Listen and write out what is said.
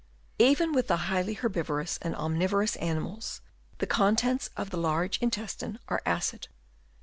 Even with the higher herbivorous and omnivorous animals, the contents of the large intestine are acid.